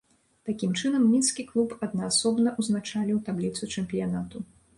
Такім чынам, мінскі клуб аднаасобна ўзначаліў табліцу чэмпіянату.